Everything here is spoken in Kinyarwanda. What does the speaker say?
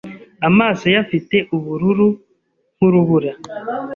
Amaso ye afite ubururu nk'urubura